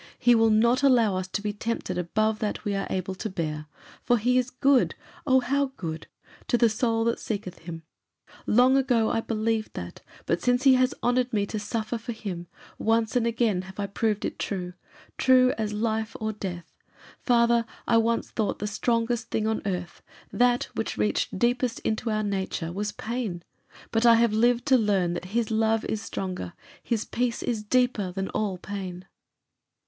He will not allow us to be tempted above that we are able to bear. For he is good oh, how good! to the soul that seeketh him. Long ago I believed that; but since he has honoured me to suffer for him, once and again have I proved it true, true as life or death. Father, I once thought the strongest thing on earth that which reached deepest into our nature was pain. But I have lived to learn that his love is stronger, his peace is deeper, than all pain."